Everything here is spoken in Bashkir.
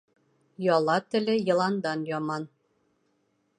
Яла теле йыландан яман.